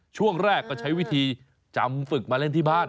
ช่วงแรกก็ใช้วิธีจำฝึกมาเล่นที่บ้าน